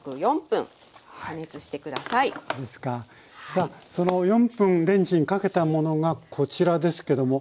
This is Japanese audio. さあその４分レンジにかけたものがこちらですけども。